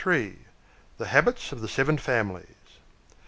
THE HABITS OF THE SEVEN FAMILIES.